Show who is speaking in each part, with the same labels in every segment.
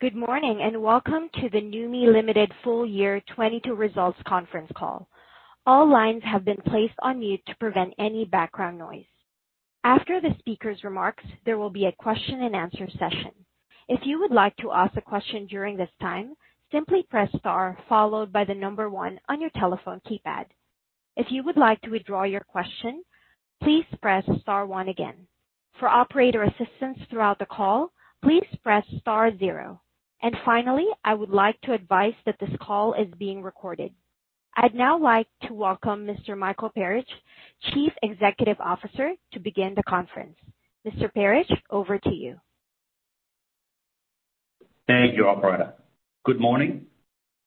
Speaker 1: Good morning, and welcome to the Noumi Limited Full Year 2022 Results Conference Call. All lines have been placed on mute to prevent any background noise. After the speaker's remarks, there will be a question and answer session. If you would like to ask a question during this time, simply press star followed by the number one on your telephone keypad. If you would like to withdraw your question, please press star one again. For operator assistance throughout the call, please press star zero. Finally, I would like to advise that this call is being recorded. I'd now like to welcome Mr. Michael Perich, Chief Executive Officer, to begin the conference. Mr. Perich, over to you.
Speaker 2: Thank you, operator. Good morning.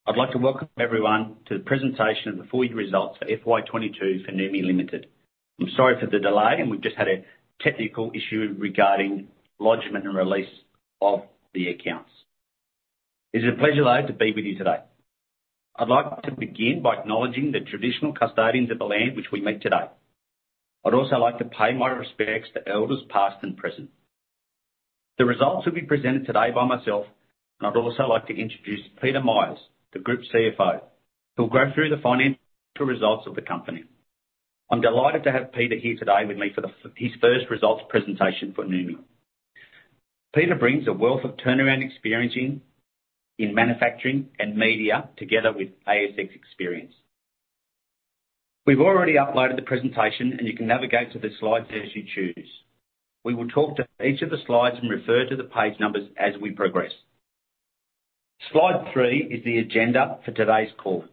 Speaker 2: I'd like to welcome everyone to the presentation of the full year results for FY22 for Noumi Limited. I'm sorry for the delay, and we've just had a technical issue regarding lodgment and release of the accounts. It's a pleasure to be with you today. I'd like to begin by acknowledging the traditional custodians of the land, which we meet today. I'd also like to pay my respects to elders past and present. The results will be presented today by myself, and I'd also like to introduce Peter Myers, the Group CFO, who'll go through the financial results of the company. I'm delighted to have Peter here today with me for his first results presentation for Noumi. Peter brings a wealth of turnaround experience in manufacturing and media together with ASX experience. We've already uploaded the presentation, and you can navigate to the slides as you choose. We will talk to each of the slides and refer to the page numbers as we progress. Slide three is the agenda for today's call.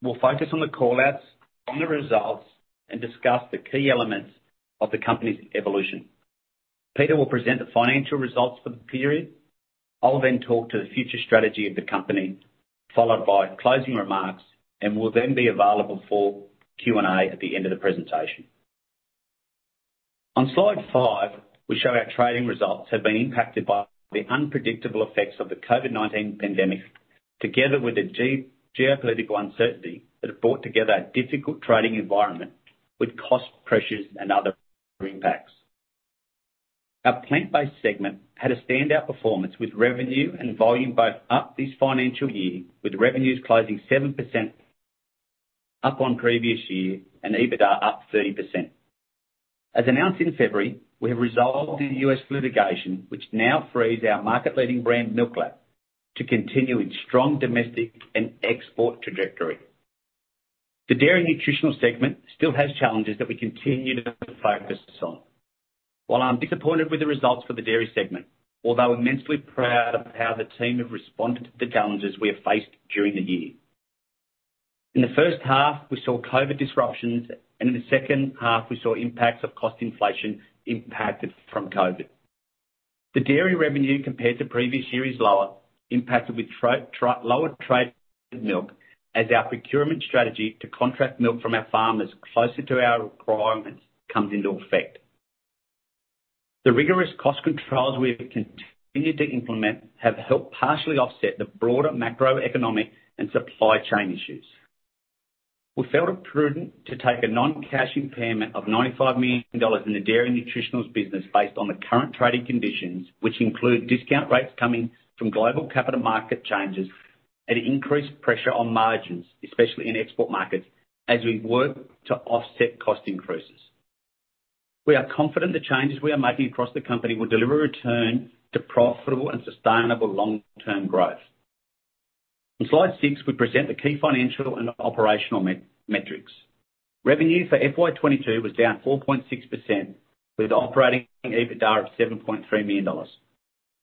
Speaker 2: We'll focus on the call-outs, on the results, and discuss the key elements of the company's evolution. Peter will present the financial results for the period. I'll then talk to the future strategy of the company, followed by closing remarks, and we'll then be available for Q&A at the end of the presentation. On slide five, we show our trading results have been impacted by the unpredictable effects of the COVID-19 pandemic, together with the geopolitical uncertainty that have brought together a difficult trading environment with cost pressures and other impacts. Our plant-based segment had a standout performance with revenue and volume both up this financial year, with revenues closing 7% up on previous year and EBITDA up 30%. As announced in February, we have resolved the U.S. litigation, which now frees our market-leading brand, MILKLAB, to continue its strong domestic and export trajectory. The Dairy & Nutritionals segment still has challenges that we continue to focus on. While I'm disappointed with the results for the Dairy segment, although immensely proud of how the team have responded to the challenges we have faced during the year. In the first half, we saw COVID disruptions, and in the second half, we saw impacts of cost inflation impacted from COVID. The Dairy revenue compared to previous year is lower, impacted with lower trade milk as our procurement strategy to contract milk from our farmers closer to our requirements comes into effect. The rigorous cost controls we have continued to implement have helped partially offset the broader macroeconomic and supply chain issues. We felt it prudent to take a non-cash impairment of 95 million dollars in the Dairy & Nutritionals business based on the current trading conditions, which include discount rates coming from global capital market changes at increased pressure on margins, especially in export markets, as we work to offset cost increases. We are confident the changes we are making across the company will deliver a return to profitable and sustainable long-term growth. In slide six, we present the key financial and operational metrics. Revenue for FY22 was down 4.6% with operating EBITDA of 7.3 million dollars.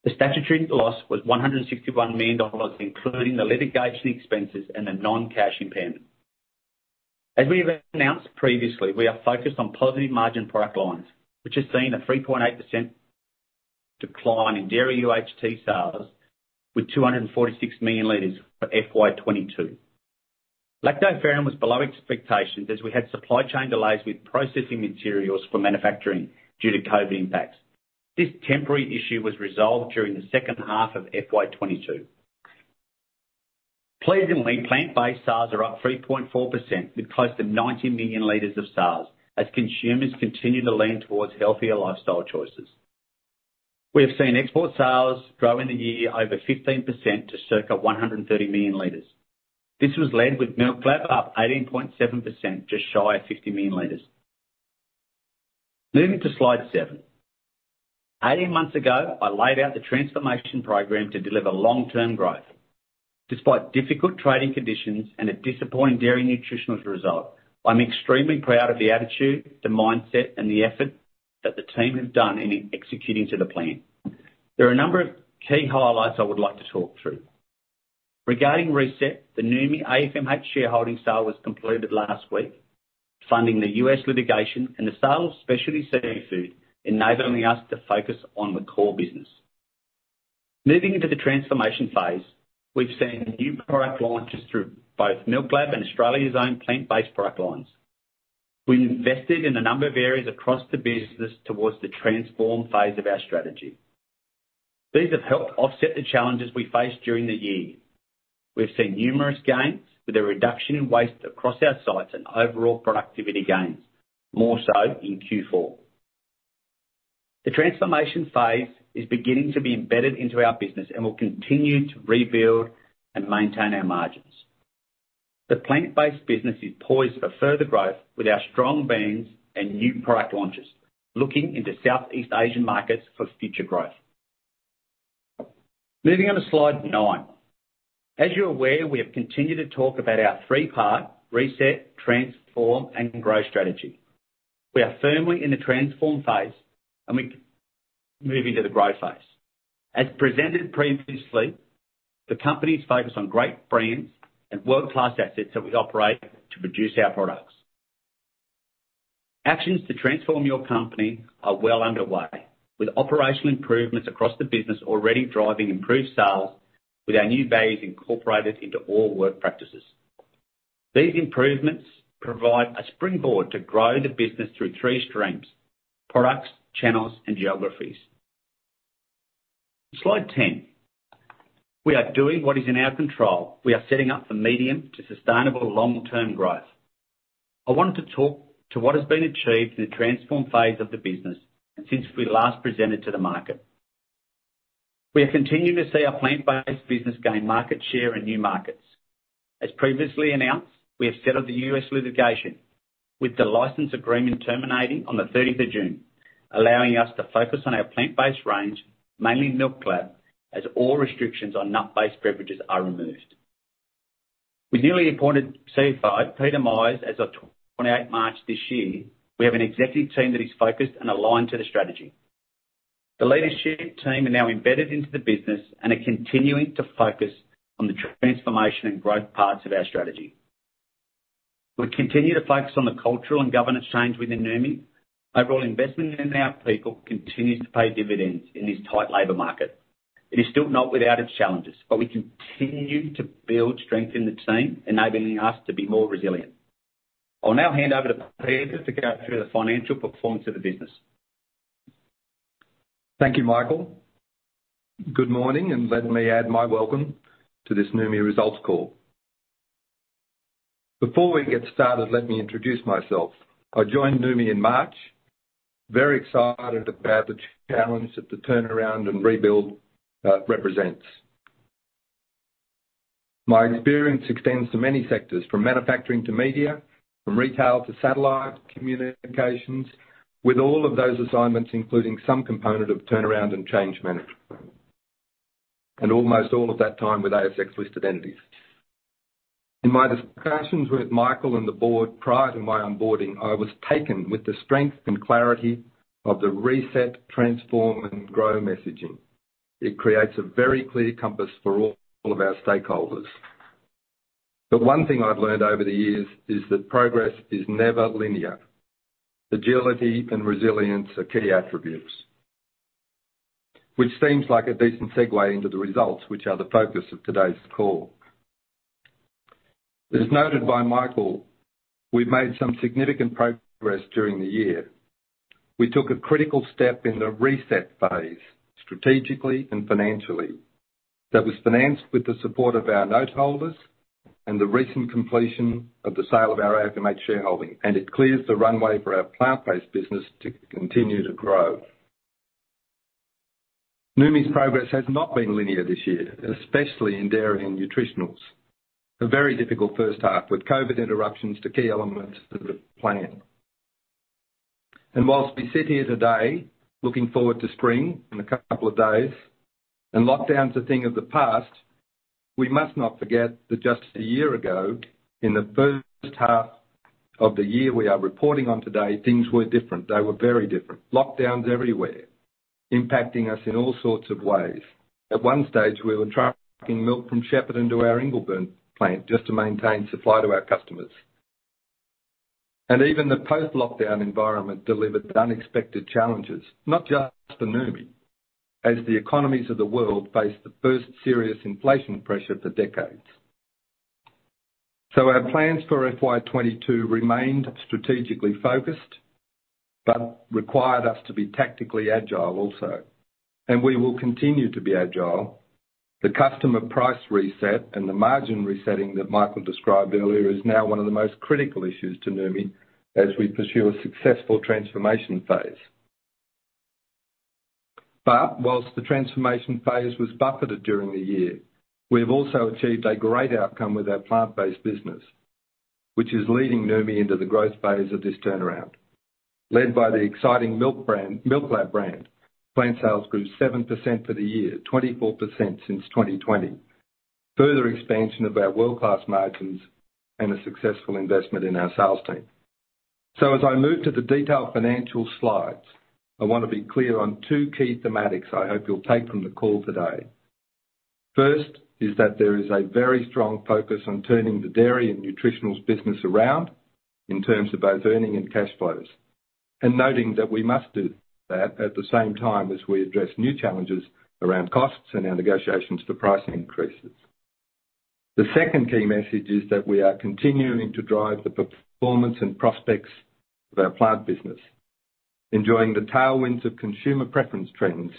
Speaker 2: The statutory loss was 161 million dollars, including the litigation expenses and the non-cash impairment. As we have announced previously, we are focused on positive margin product lines, which has seen a 3.8% decline in dairy UHT sales with 246 million liters for FY22. Lactoferrin was below expectations as we had supply chain delays with processing materials for manufacturing due to COVID impacts. This temporary issue was resolved during the second half of FY22. Pleasingly, plant-based sales are up 3.4% with close to 90 million liters of sales as consumers continue to lean towards healthier lifestyle choices. We have seen export sales grow in the year over 15% to circa 130 million liters. This was led with MILKLAB up 18.7%, just shy of 50 million liters. Moving to slide seven. Eighteen months ago, I laid out the transformation program to deliver long-term growth. Despite difficult trading conditions and a disappointing Dairy & Nutritionals result, I'm extremely proud of the attitude, the mindset, and the effort that the team have done in executing to the plan. There are a number of key highlights I would like to talk through. Regarding reset, the Noumi AFMH shareholding sale was completed last week, funding the US litigation and the sale of Specialty Seafood, enabling us to focus on the core business. Moving into the transformation phase, we've seen new product launches through both MILKLAB and Australia's Own plant-based product lines. We've invested in a number of areas across the business towards the transformed phase of our strategy. These have helped offset the challenges we face during the year. We've seen numerous gains with a reduction in waste across our sites and overall productivity gains, more so in Q4. The transformation phase is beginning to be embedded into our business and will continue to rebuild and maintain our margins. The plant-based business is poised for further growth with our strong brands and new product launches, looking into Southeast Asian markets for future growth. Moving on to Slide nine. As you're aware, we have continued to talk about our three-part reset, transform, and grow strategy. We are firmly in the transform phase, and we move into the grow phase. As presented previously, the company's focused on great brands and world-class assets that we operate to produce our products. Actions to transform your company are well underway, with operational improvements across the business already driving improved sales with our new values incorporated into all work practices. These improvements provide a springboard to grow the business through three streams, products, channels, and geographies. Slide 10. We are doing what is in our control. We are setting up for medium to sustainable long-term growth. I want to talk to what has been achieved in the transform phase of the business and since we last presented to the market. We are continuing to see our plant-based business gain market share in new markets. As previously announced, we have settled the U.S. litigation with the license agreement terminating on the 30th of June, allowing us to focus on our plant-based range, mainly MILKLAB, as all restrictions on nut-based beverages are removed. With newly appointed CFO, Peter Myers, as of 28th March this year, we have an executive team that is focused and aligned to the strategy. The leadership team are now embedded into the business and are continuing to focus on the transformation and growth parts of our strategy. We continue to focus on the cultural and governance change within Noumi. Overall investment in our people continues to pay dividends in this tight labor market. It is still not without its challenges, but we continue to build strength in the team, enabling us to be more resilient. I'll now hand over to Peter to go through the financial performance of the business.
Speaker 3: Thank you, Michael. Good morning, and let me add my welcome to this Noumi results call. Before we get started, let me introduce myself. I joined Noumi in March. Very excited about the challenge that the turnaround and rebuild represents. My experience extends to many sectors, from manufacturing to media, from retail to satellite communications, with all of those assignments, including some component of turnaround and change management, and almost all of that time with ASX-listed entities. In my discussions with Michael and the board prior to my onboarding, I was taken with the strength and clarity of the reset, transform, and grow messaging. It creates a very clear compass for all of our stakeholders. The one thing I've learned over the years is that progress is never linear. Agility and resilience are key attributes, which seems like a decent segue into the results, which are the focus of today's call. As noted by Michael, we've made some significant progress during the year. We took a critical step in the reset phase, strategically and financially, that was financed with the support of our note holders and the recent completion of the sale of our AFMH shareholding, and it clears the runway for our plant-based business to continue to grow. Noumi's progress has not been linear this year, especially in Dairy & Nutritionals. A very difficult first half with COVID interruptions to key elements of the plan. While we sit here today, looking forward to spring in a couple of days and lockdowns a thing of the past, we must not forget that just a year ago, in the first half of the year we are reporting on today, things were different. They were very different. Lockdowns everywhere, impacting us in all sorts of ways. At one stage, we were trucking milk from Shepparton to our Ingleburn plant just to maintain supply to our customers. Even the post-lockdown environment delivered unexpected challenges, not just for Noumi, as the economies of the world face the first serious inflation pressure for decades. Our plans for FY22 remained strategically focused but required us to be tactically agile also. We will continue to be agile. The customer price reset and the margin resetting that Michael described earlier is now one of the most critical issues to Noumi as we pursue a successful transformation phase. While the transformation phase was buffeted during the year, we have also achieved a great outcome with our plant-based business, which is leading Noumi into the growth phase of this turnaround. Led by the exciting MILKLAB brand, plant sales grew 7% for the year, 24% since 2020. Further expansion of our world-class margins and a successful investment in our sales team. As I move to the detailed financial slides, I wanna be clear on two key themes I hope you'll take from the call today. First is that there is a very strong focus on turning the Dairy & Nutritional business around in terms of both earnings and cash flows, and noting that we must do that at the same time as we address new challenges around costs and our negotiations for price increases. The second key message is that we are continuing to drive the performance and prospects of our plant business, enjoying the tailwinds of consumer preference trends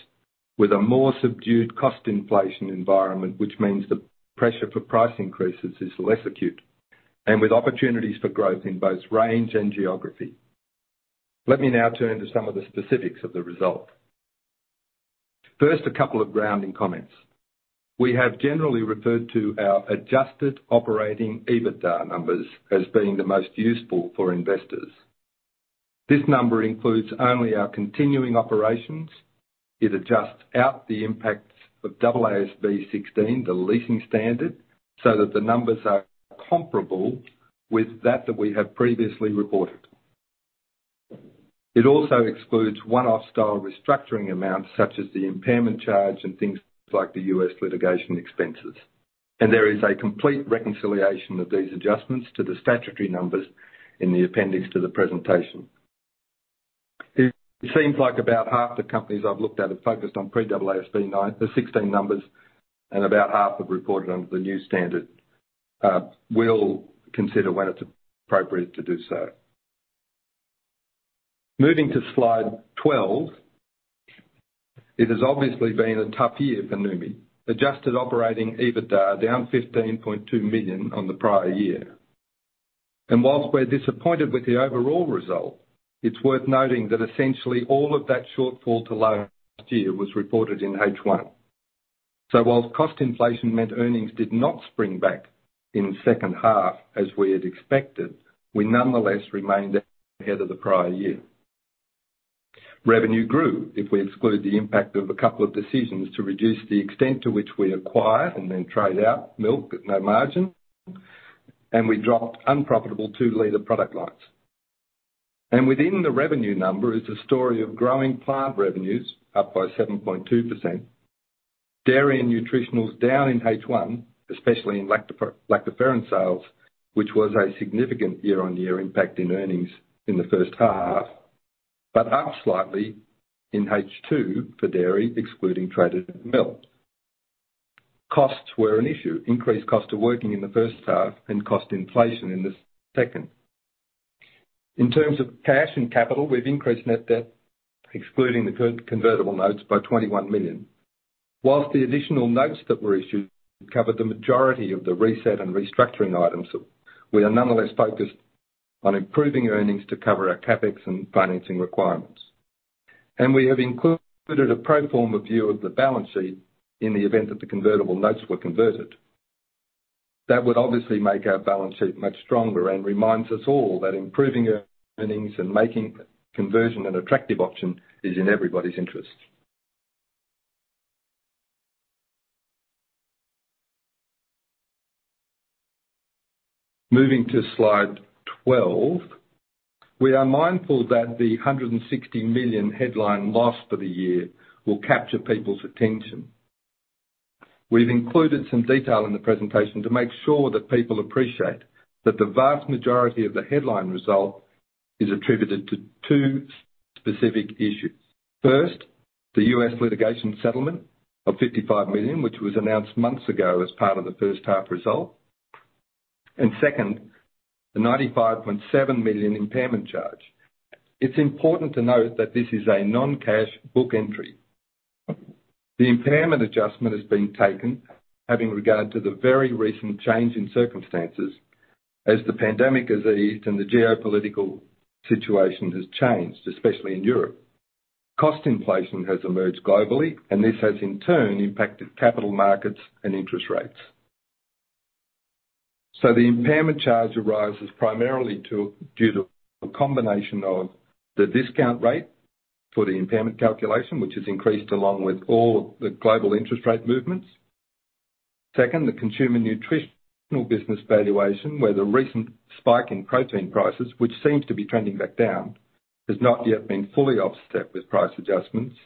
Speaker 3: with a more subdued cost inflation environment, which means the pressure for price increases is less acute, and with opportunities for growth in both range and geography. Let me now turn to some of the specifics of the results. First, a couple of grounding comments. We have generally referred to our adjusted operating EBITDA numbers as being the most useful for investors. This number includes only our continuing operations. It adjusts out the impacts of AASB 16, the leasing standard, so that the numbers are comparable with that we have previously reported. It also excludes one-off style restructuring amounts, such as the impairment charge and things like the U.S. litigation expenses. There is a complete reconciliation of these adjustments to the statutory numbers in the appendix to the presentation. It seems like about half the companies I've looked at have focused on pre-AASB 16 numbers, and about half have reported under the new standard. We'll consider when it's appropriate to do so. Moving to Slide 12. It has obviously been a tough year for Noumi. Adjusted operating EBITDA, down 15.2 million on the prior year. Whilst we're disappointed with the overall result, it's worth noting that essentially all of that shortfall to last year was reported in H1. While cost inflation meant earnings did not spring back in second half as we had expected, we nonetheless remained ahead of the prior year. Revenue grew, if we exclude the impact of a couple of decisions to reduce the extent to which we acquired and then trade out milk at no margin, and we dropped unprofitable two-liter product lines. Within the revenue number is a story of growing plant revenues up by 7.2%. Dairy & Nutritionals down in H1, especially in lactoferrin sales, which was a significant year-on-year impact in earnings in the first half. Up slightly in H2 for Dairy, excluding traded milk. Costs were an issue, increased cost of working in the first half and cost inflation in the second. In terms of cash and capital, we've increased net debt, excluding the convertible notes by 21 million. While the additional notes that were issued covered the majority of the reset and restructuring items, we are nonetheless focused on improving earnings to cover our CapEx and financing requirements. We have included a pro forma view of the balance sheet in the event that the convertible notes were converted. That would obviously make our balance sheet much stronger and reminds us all that improving earnings and making conversion an attractive option is in everybody's interest. Moving to Slide 12. We are mindful that the 160 million headline loss for the year will capture people's attention. We've included some detail in the presentation to make sure that people appreciate that the vast majority of the headline result is attributed to two specific issues. First, the U.S. litigation settlement of 55 million, which was announced months ago as part of the first half result. Second, the 95.7 million impairment charge. It's important to note that this is a non-cash book entry. The impairment adjustment is being taken having regard to the very recent change in circumstances as the pandemic has eased and the geopolitical situation has changed, especially in Europe. Cost inflation has emerged globally, and this has in turn impacted capital markets and interest rates. The impairment charge arises primarily to, due to a combination of the discount rate for the impairment calculation, which has increased along with all the global interest rate movements. Second, the consumer nutritional business valuation, where the recent spike in protein prices, which seems to be trending back down, has not yet been fully offset with price adjustments.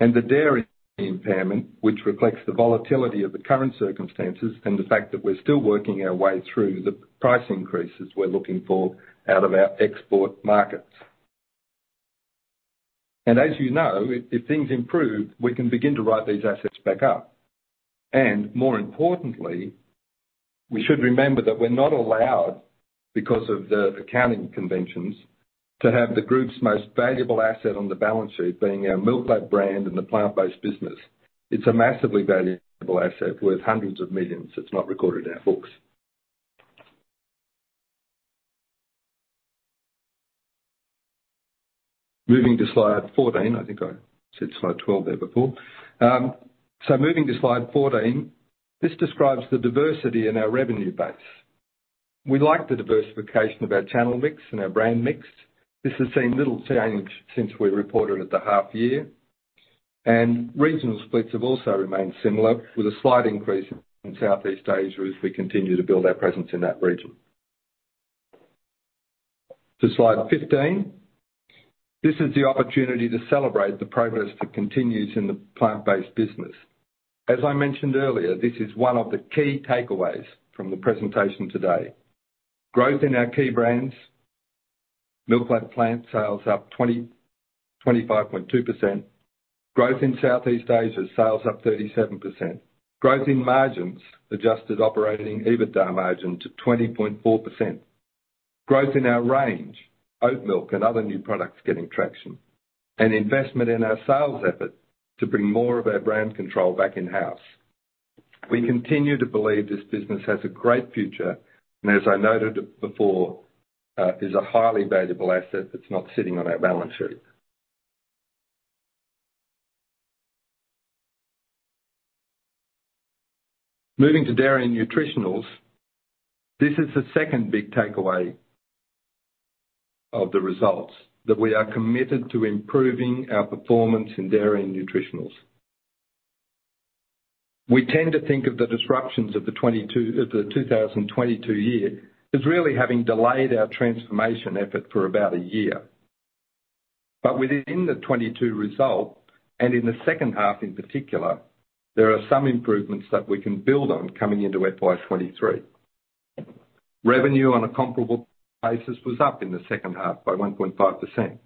Speaker 3: The Dairy impairment, which reflects the volatility of the current circumstances and the fact that we're still working our way through the price increases we're looking for out of our export markets. As you know, if things improve, we can begin to write these assets back up. More importantly, we should remember that we're not allowed, because of the accounting conventions, to have the group's most valuable asset on the balance sheet being our MILKLAB brand and the plant-based business. It's a massively valuable asset worth AUD hundreds of millions that's not recorded in our books. Moving to slide 14. I think I said slide 12 there before. Moving to slide 14. This describes the diversity in our revenue base. We like the diversification of our channel mix and our brand mix. This has seen little change since we reported at the half year. Regional splits have also remained similar, with a slight increase in Southeast Asia as we continue to build our presence in that region. To slide 15. This is the opportunity to celebrate the progress that continues in the plant-based business. As I mentioned earlier, this is one of the key takeaways from the presentation today. Growth in our key brands. MILKLAB plant sales up 25.2%. Growth in Southeast Asia, sales up 37%. Growth in margins, adjusted operating EBITDA margin to 20.4%. Growth in our range, oat milk and other new products getting traction, and investment in our sales effort to bring more of our brand control back in-house. We continue to believe this business has a great future, and as I noted before, is a highly valuable asset that's not sitting on our balance sheet. Moving to Dairy & Nutritionals, this is the second big takeaway of the results, that we are committed to improving our performance in Dairy & Nutritionals. We tend to think of the disruptions of the 2022 year as really having delayed our transformation effort for about a year. Within the 2022 result, and in the second half in particular, there are some improvements that we can build on coming into FY23. Revenue on a comparable basis was up in the second half by 1.5%.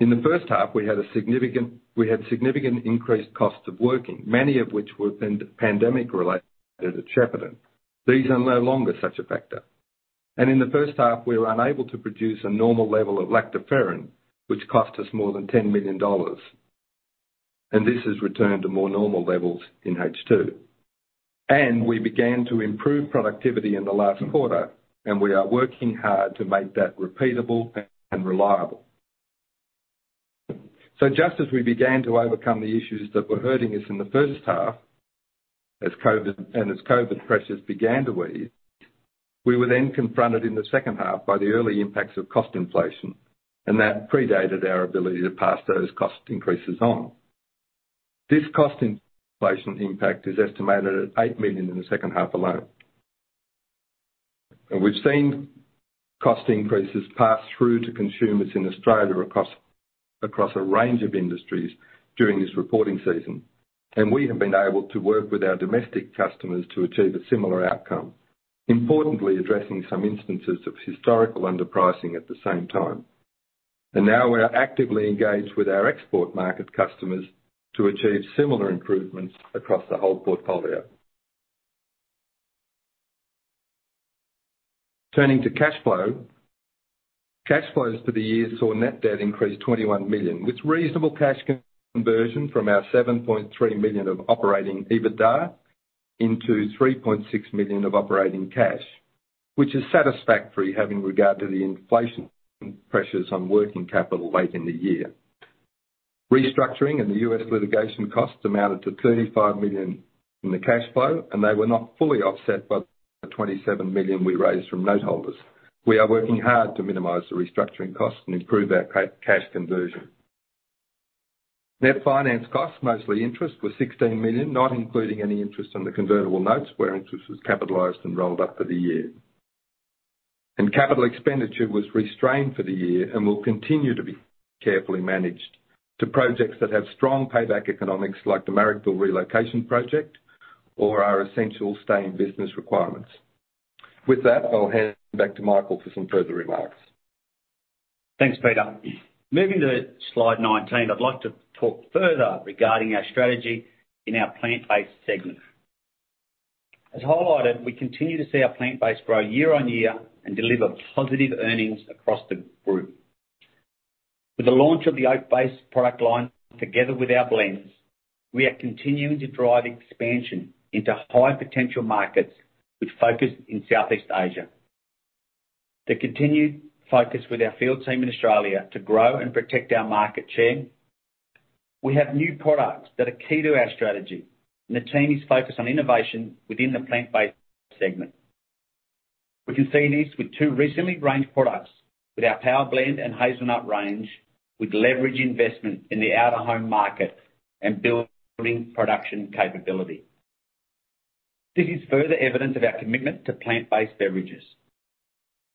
Speaker 3: In the first half, we had significantly increased costs of working, many of which were pandemic-related at Shepparton. These are no longer such a factor. In the first half, we were unable to produce a normal level of Lactoferrin, which cost us more than 10 million dollars. This has returned to more normal levels in H2. We began to improve productivity in the last quarter, and we are working hard to make that repeatable and reliable. Just as we began to overcome the issues that were hurting us in the first half, as COVID pressures began to ease, we were then confronted in the second half by the early impacts of cost inflation, and that predated our ability to pass those cost increases on. This cost inflation impact is estimated at 8 million in the second half alone. We've seen cost increases pass through to consumers in Australia across a range of industries during this reporting season. We have been able to work with our domestic customers to achieve a similar outcome, importantly, addressing some instances of historical underpricing at the same time. Now we're actively engaged with our export market customers to achieve similar improvements across the whole portfolio. Turning to cash flow. Cash flows for the year saw net debt increase 21 million, with reasonable cash conversion from our 7.3 million of operating EBITDA into 3.6 million of operating cash, which is satisfactory having regard to the inflation pressures on working capital late in the year. Restructuring and the U.S. litigation costs amounted to 35 million in the cash flow, and they were not fully offset by the 27 million we raised from note holders. We are working hard to minimize the restructuring costs and improve our cash conversion. Net finance costs, mostly interest, were AUD 16 million, not including any interest on the convertible notes, where interest was capitalized and rolled up for the year. Capital expenditure was restrained for the year and will continue to be carefully managed to projects that have strong payback economics like the Marrickville relocation project or are essential stay-in-business requirements. With that, I'll hand back to Michael for some further remarks.
Speaker 2: Thanks, Peter. Moving to slide 19, I'd like to talk further regarding our strategy in our plant-based segment. As highlighted, we continue to see our plant-based grow year-on-year and deliver positive earnings across the group. With the launch of the oat-based product line, together with our blends, we are continuing to drive expansion into high-potential markets with focus in Southeast Asia. The continued focus with our field team in Australia to grow and protect our market share. We have new products that are key to our strategy, and the team is focused on innovation within the plant-based segment. We can see this with two recently ranged products with our Power Blend and Hazelnut range, with leverage investment in the out-of-home market and building production capability. This is further evidence of our commitment to plant-based beverages.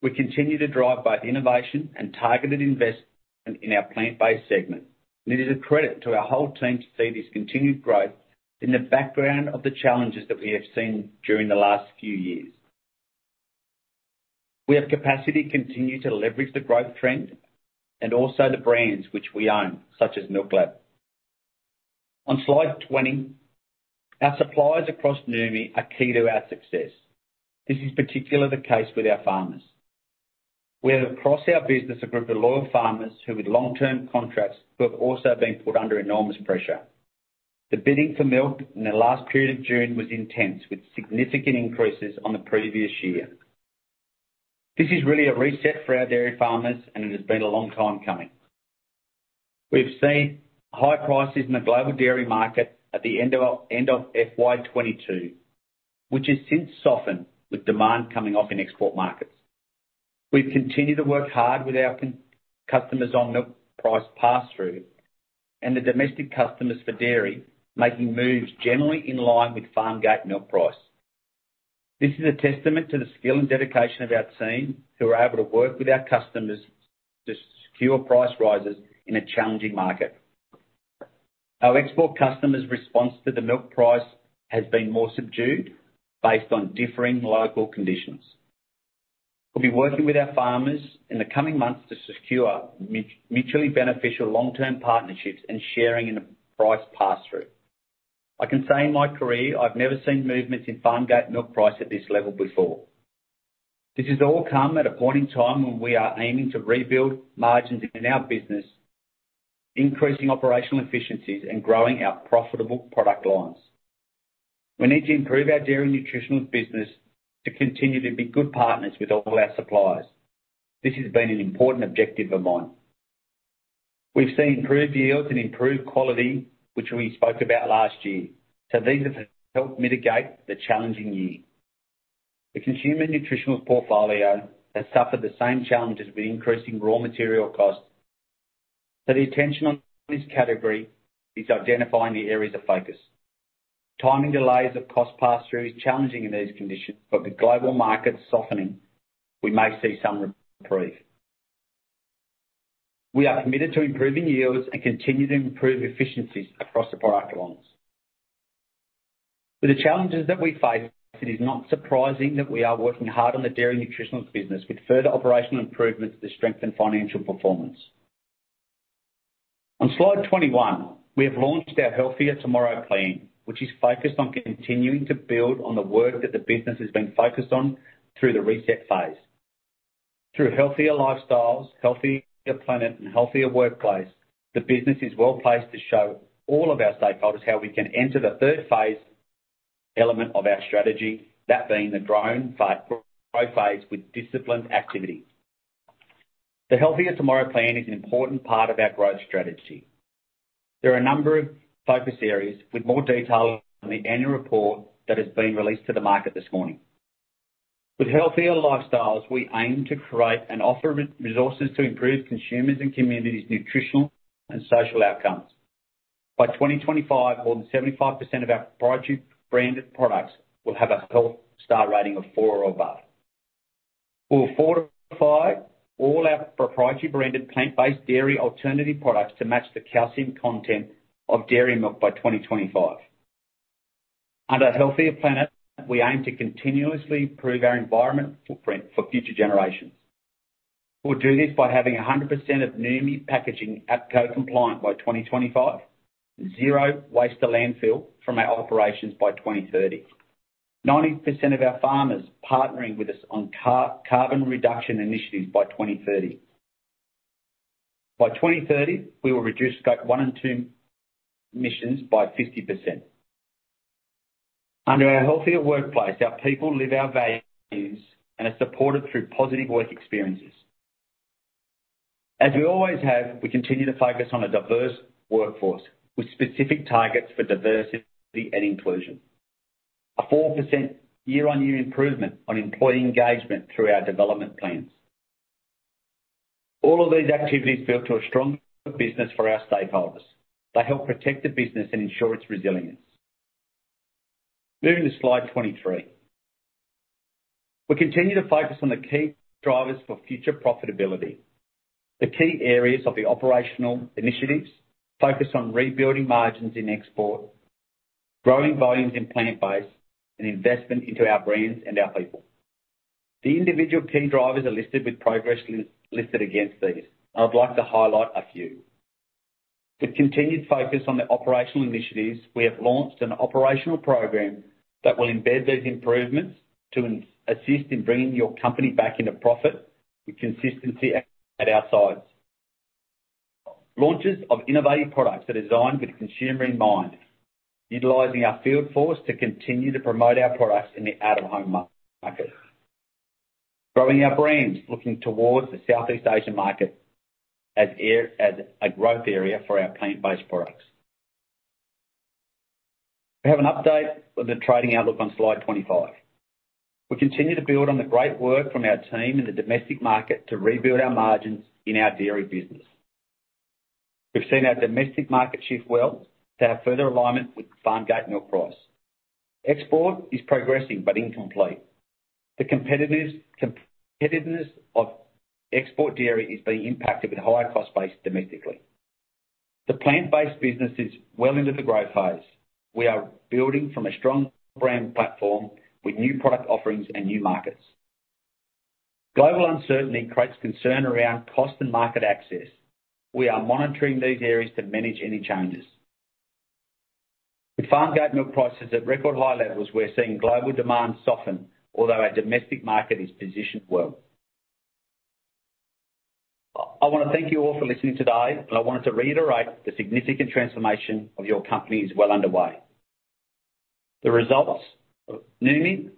Speaker 2: We continue to drive both innovation and targeted investment in our plant-based segment. It is a credit to our whole team to see this continued growth in the background of the challenges that we have seen during the last few years. We have capacity to continue to leverage the growth trend and also the brands which we own, such as MILKLAB. On slide 20, our suppliers across Noumi are key to our success. This is particularly the case with our farmers. We have across our business a group of loyal farmers who with long-term contracts, who have also been put under enormous pressure. The bidding for milk in the last period of June was intense, with significant increases on the previous year. This is really a reset for our dairy farmers, and it has been a long time coming. We've seen high prices in the global dairy market at the end of FY22, which has since softened with demand coming off in export markets. We've continued to work hard with our customers on milk price pass-through and the domestic customers for dairy making moves generally in line with farm gate milk price. This is a testament to the skill and dedication of our team, who are able to work with our customers to secure price rises in a challenging market. Our export customers' response to the milk price has been more subdued based on differing local conditions. We'll be working with our farmers in the coming months to secure mutually beneficial long-term partnerships and sharing in a price pass-through. I can say in my career, I've never seen movements in farm-gate milk price at this level before. This has all come at a point in time when we are aiming to rebuild margins in our business, increasing operational efficiencies, and growing our profitable product lines. We need to improve our Dairy & Nutritionals business to continue to be good partners with all our suppliers. This has been an important objective of mine. We've seen improved yields and improved quality, which we spoke about last year, so these have helped mitigate the challenging year. The consumer nutritionals portfolio has suffered the same challenges with increasing raw material costs, so the attention on this category is identifying the areas of focus. Timing delays of cost pass-through is challenging in these conditions, but with global markets softening, we may see some reprieve. We are committed to improving yields and continue to improve efficiencies across the product lines. With the challenges that we face, it is not surprising that we are working hard on the Dairy & Nutritionals business with further operational improvements to strengthen financial performance. On slide 21, we have launched our Healthier Tomorrow Plan, which is focused on continuing to build on the work that the business has been focused on through the reset phase. Through healthier lifestyles, healthier planet, and healthier workplace, the business is well-placed to show all of our stakeholders how we can enter the third phase element of our strategy, that being the growth phase with disciplined activities. The Healthier Tomorrow Plan is an important part of our growth strategy. There are a number of focus areas with more detail in the annual report that has been released to the market this morning. With healthier lifestyles, we aim to create and offer resources to improve consumers and communities' nutritional and social outcomes. By 2025, more than 75% of our proprietary branded products will have a health star rating of 4 or above. We'll fortify all our proprietary branded plant-based dairy alternative products to match the calcium content of dairy milk by 2025. Under a healthier planet, we aim to continuously improve our environmental footprint for future generations. We'll do this by having 100% of Noumi packaging APCO compliant by 2025, zero waste to landfill from our operations by 2030, 90% of our farmers partnering with us on carbon reduction initiatives by 2030. By 2030, we will reduce scope one and two emissions by 50%. Under our healthier workplace, our people live our values and are supported through positive work experiences. As we always have, we continue to focus on a diverse workforce with specific targets for diversity and inclusion. A 4% year-on-year improvement on employee engagement through our development plans. All of these activities build to a stronger business for our stakeholders. They help protect the business and ensure its resilience. Moving to slide 23. We continue to focus on the key drivers for future profitability. The key areas of the operational initiatives focus on rebuilding margins in export, growing volumes in plant-based, and investment into our brands and our people. The individual key drivers are listed with progress listed against these. I'd like to highlight a few. With continued focus on the operational initiatives, we have launched an operational program that will embed these improvements to assist in bringing your company back into profit with consistency at our sides. Launches of innovative products are designed with the consumer in mind, utilizing our field force to continue to promote our products in the out-of-home market. Growing our brands, looking towards the Southeast Asian market as a growth area for our plant-based products. We have an update of the trading outlook on slide 25. We continue to build on the great work from our team in the domestic market to rebuild our margins in our dairy business. We've seen our domestic market shift well to have further alignment with the farm-gate milk price. Export is progressing, but incomplete. The competitiveness of export dairy is being impacted with higher cost base domestically. The plant-based business is well into the growth phase. We are building from a strong brand platform with new product offerings and new markets. Global uncertainty creates concern around cost and market access. We are monitoring these areas to manage any changes. With farm-gate milk prices at record high levels, we're seeing global demand soften, although our domestic market is positioned well. I wanna thank you all for listening today, and I wanted to reiterate the significant transformation of your company is well underway. The results of Noumi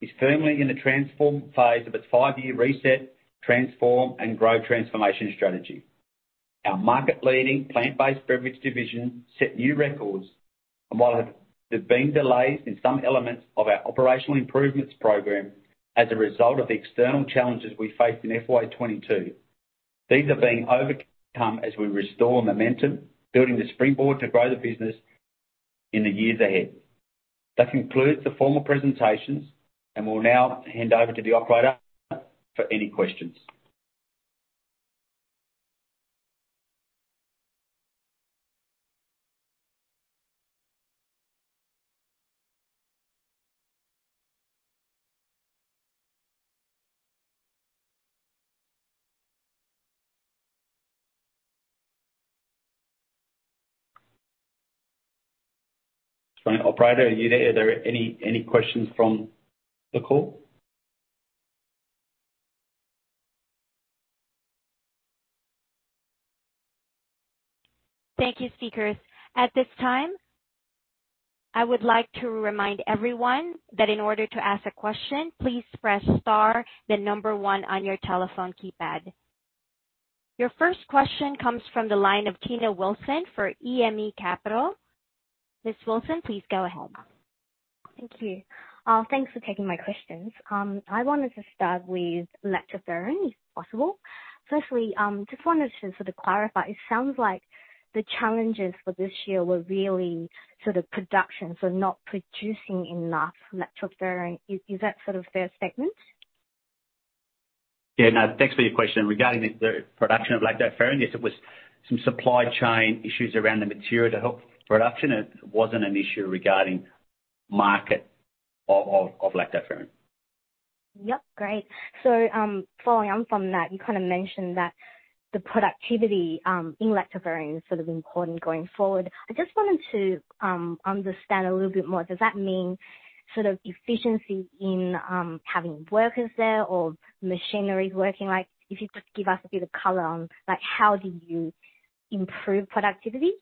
Speaker 2: is firmly in the transform phase of its five-year reset, transform, and growth transformation strategy. Our market-leading plant-based beverage division set new records. While there have been delays in some elements of our operational improvements program as a result of the external challenges we faced in FY22, these are being overcome as we restore momentum, building the springboard to grow the business in the years ahead. That concludes the formal presentations, and we'll now hand over to the operator for any questions. Sorry, operator, are you there? Are there any questions from the call?
Speaker 1: Thank you, speakers. At this time, I would like to remind everyone that in order to ask a question, please press star then number one on your telephone keypad. Your first question comes from the line of Tiina Wilson for E&P Capital. Ms. Wilson, please go ahead.
Speaker 4: Thank you. Thanks for taking my questions. I wanted to start with Lactoferrin, if possible. Firstly, just wanted to sort of clarify. It sounds like the challenges for this year were really sort of production, so not producing enough Lactoferrin. Is that sort of fair statement?
Speaker 2: Yeah, no. Thanks for your question. Regarding the production of Lactoferrin, yes, it was some supply chain issues around the material to help production. It wasn't an issue regarding market of Lactoferrin.
Speaker 4: Yep, great. Following on from that, you kinda mentioned that the productivity in Lactoferrin is sort of important going forward. I just wanted to understand a little bit more. Does that mean sort of efficiency in having workers there or machinery working? Like, if you could just give us a bit of color on, like, how do you improve productivity?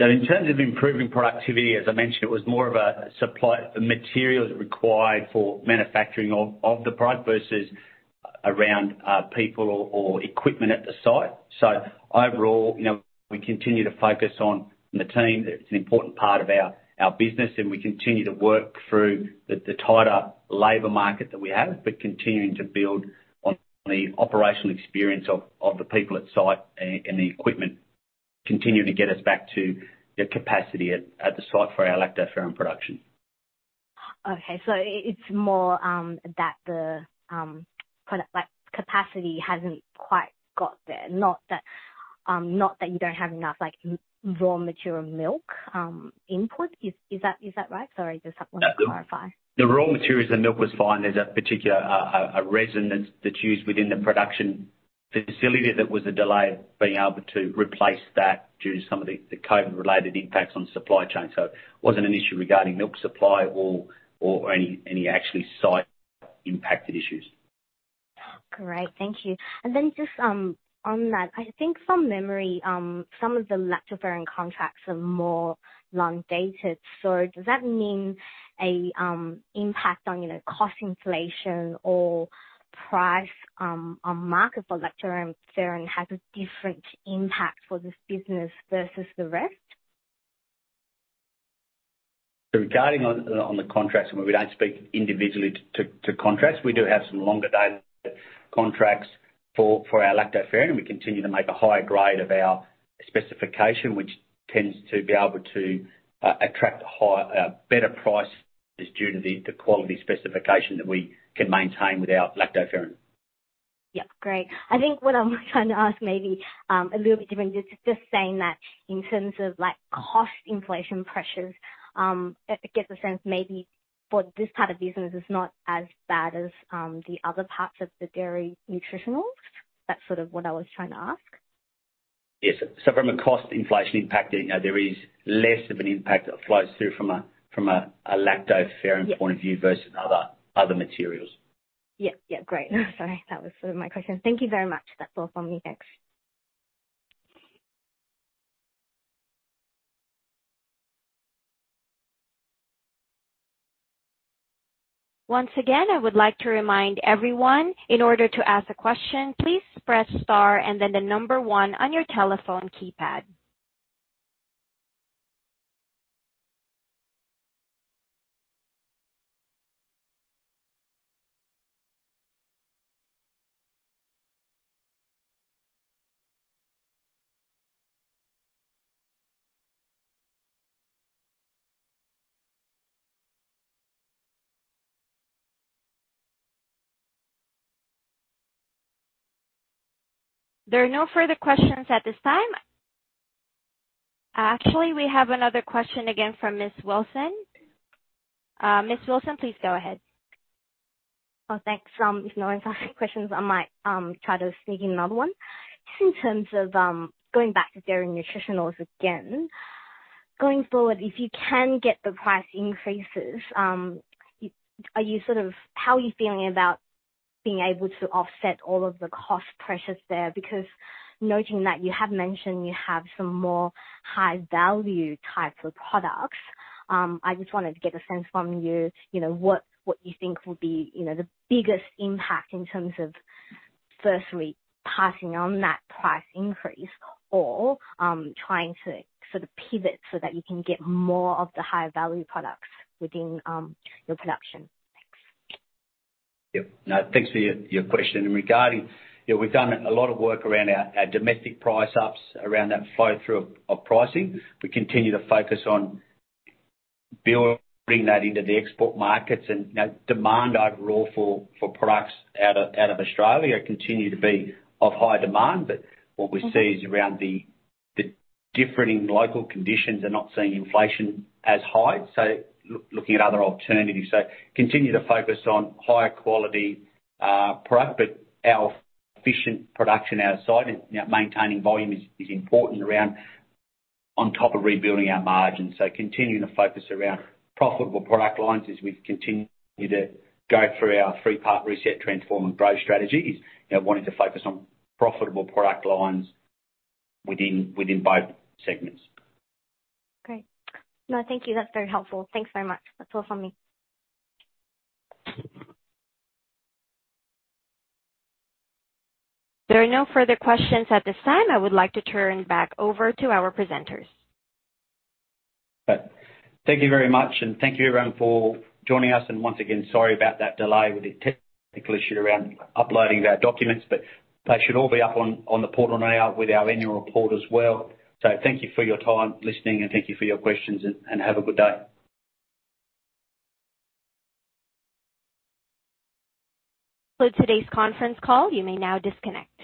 Speaker 2: In terms of improving productivity, as I mentioned, it was more of a supply, the materials required for manufacturing of the product versus around people or equipment at the site. Overall, you know, we continue to focus on the team. It's an important part of our business, and we continue to work through the tighter labor market that we have, but continuing to build on the operational experience of the people at site and the equipment continuing to get us back to the capacity at the site for our Lactoferrin production.
Speaker 4: Okay. It's more, that the, kinda like capacity hasn't quite got there, not that, not that you don't have enough, like, raw material milk, input. Is that right? Sorry, just I wanted to clarify.
Speaker 2: The raw materials, the milk was fine. There's a particular resin that's used within the production facility that was a delay of being able to replace that due to some of the COVID-related impacts on supply chain. It wasn't an issue regarding milk supply or any actually site impacted issues.
Speaker 4: Great. Thank you. Just on that, I think from memory, some of the lactoferrin contracts are more long dated. Does that mean a impact on, you know, cost inflation or price on market for lactoferrin has a different impact for this business versus the rest?
Speaker 2: Regarding the contracts, I mean, we don't speak individually to contracts. We do have some longer-dated contracts for our Lactoferrin. We continue to make a higher grade of our specification, which tends to be able to attract a better price due to the quality specification that we can maintain with our Lactoferrin.
Speaker 4: Yeah, great. I think what I'm trying to ask maybe a little bit different, just saying that in terms of, like, cost inflation pressures, get the sense maybe for this part of business is not as bad as the other parts of the dairy nutritionals. That's sort of what I was trying to ask.
Speaker 2: Yes. From a cost inflation impact, you know, there is less of an impact that flows through from a Lactoferrin point of view versus other materials.
Speaker 4: Yeah. Great. Sorry. That was sort of my question. Thank you very much. That's all from me. Thanks.
Speaker 1: Once again, I would like to remind everyone in order to ask a question, please press star and then the number one on your telephone keypad. There are no further questions at this time. Actually, we have another question again from Ms. Wilson. Ms. Wilson, please go ahead.
Speaker 4: Oh, thanks. If no one's asking questions, I might try to sneak in another one. Just in terms of going back to dairy nutritionals again, going forward, if you can get the price increases, are you sort of. How are you feeling about being able to offset all of the cost pressures there? Because noting that you have mentioned you have some more high value types of products, I just wanted to get a sense from you know, what you think will be, you know, the biggest impact in terms of firstly passing on that price increase or trying to sort of pivot so that you can get more of the high value products within your production. Thanks.
Speaker 2: Yep. No, thanks for your question. Regarding, yeah, we've done a lot of work around our domestic price ups around that flow through of pricing. We continue to focus on building that into the export markets and, you know, demand overall for products out of Australia continue to be of high demand. What we see is around the differing local conditions and not seeing inflation as high. Looking at other alternatives. Continue to focus on higher quality product, but our efficient production outside and, you know, maintaining volume is important around on top of rebuilding our margins. Continuing to focus around profitable product lines as we continue to go through our three-part reset, transform, and growth strategies. You know, wanting to focus on profitable product lines within both segments.
Speaker 4: Great. No, thank you. That's very helpful. Thanks very much. That's all from me.
Speaker 1: There are no further questions at this time. I would like to turn back over to our presenters.
Speaker 2: Great. Thank you very much, and thank you everyone for joining us. Once again, sorry about that delay with the technical issue around uploading our documents, but they should all be up on the portal now with our annual report as well. Thank you for your time listening, and thank you for your questions and have a good day.
Speaker 1: That's today's conference call. You may now disconnect.